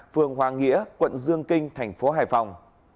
phường hoàng nghĩa quận dương kinh tp hải phòng